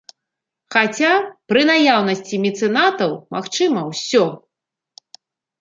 Хаця, пры наяўнасці мецэнатаў магчыма ўсё!